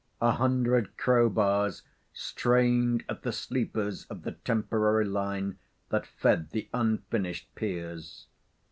A hundred crowbars strained at the sleepers of the temporary line that fed the unfinished piers.